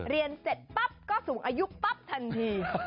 เรียนเสร็จปั๊บก็สูงอายุปั๊บทันที